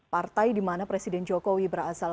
partai di mana presiden jokowi berasal